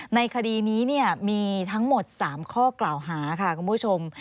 ในคดีนี้มีทั้งหมด๓ข้อกล่าวหาค่ะคุณผู้ชม